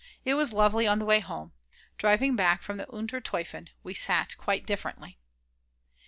It was lovely on the way home. Driving back from Unter Toifen we sat quite differently.